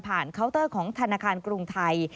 เคาน์เตอร์ของธนาคารกรุงไทย